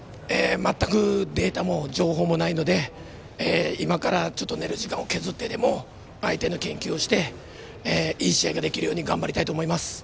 全くデータも情報もないので今から、ちょっと寝る時間を削ってでも相手の研究をしていい試合ができるように頑張りたいと思います。